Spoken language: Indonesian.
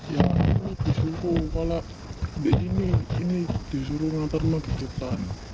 ya disuruh kalau ini disuruh nantar nanti kita